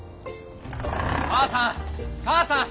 母さん！